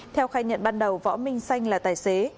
theo khai nhận ban đầu võ minh xanh là tài xế